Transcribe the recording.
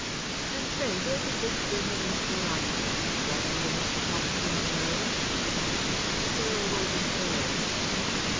And, pray, where did this gentleman so honour you? Right under Mr. Paxton's nose?" "Cyril wasn't there."